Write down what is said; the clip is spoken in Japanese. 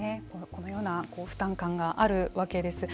このような負担感があるわけです。